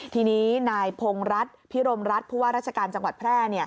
ทีนี้นายพงรัฐพิรมรัฐผู้ว่าราชการจังหวัดแพร่